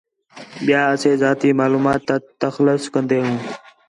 ٻِیال اسے ذاتی معلومات تا تخلص کندے ہوں